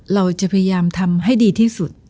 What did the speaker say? เราจะพยายามทำให้ดีที่สุด